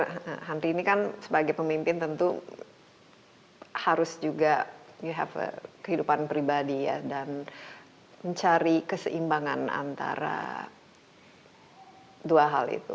karena henry ini kan sebagai pemimpin tentu harus juga kehidupan pribadi ya dan mencari keseimbangan antara dua hal itu